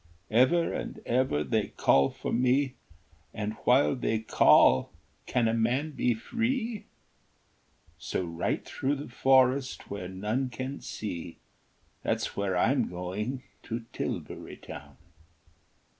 Ever and ever they call for me, And while they call can a man be free? So right through the forest, where none can see, There's where I'm going, to Tilbury Town."